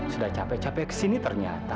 sudah capek capek kesini ternyata